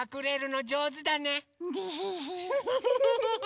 フフフフフ。